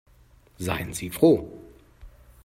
Seien Sie froh.